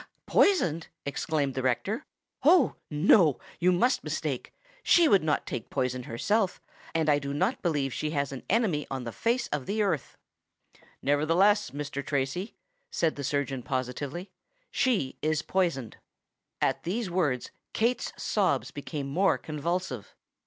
"Poisoned!" exclaimed the rector. "Oh! no—you must mistake. She would not take poison herself, and I do not believe she has an enemy on the face of the earth." "Nevertheless, Mr. Tracy," said the surgeon positively, "she is poisoned." At these words Kate's sobs became more convulsive.